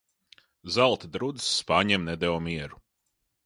Zelta drudzis spāņiem nedeva mieru.